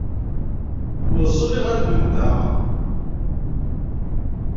Neẓẓel iɣallen-nteɣ.